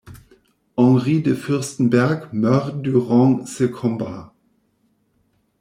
Henri de Furstenberg meurt durant ce combat.